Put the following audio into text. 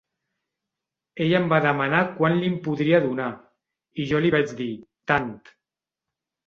Ell em va demanar quant li'n podria donar, i jo li vaig dir: tant.